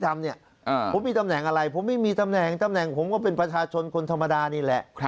ตำแหน่งผมว่าเป็นประชาชนคนธรรมดานี่แหละ